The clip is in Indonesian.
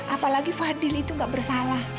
apalagi fadil itu gak bersalah